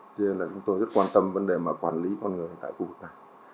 cho nên là chúng tôi rất quan tâm vấn đề mà quản lý con người tại khu vực này